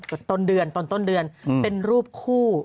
ต้นเดือนต้นเดือนเป็นรูปคู่